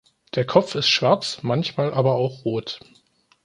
Der Kopf ist schwarz, manchmal aber auch rot.